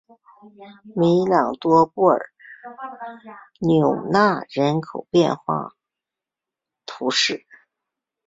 米朗多布尔纽纳人口变化图示